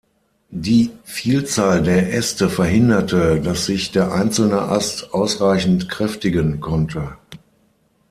Die Vielzahl der Äste verhinderte, dass sich der einzelne Ast ausreichend kräftigen konnte.